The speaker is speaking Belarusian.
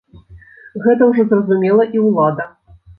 Гэта ўжо зразумела і ўлада.